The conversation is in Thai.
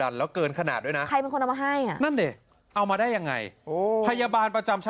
หลังจากร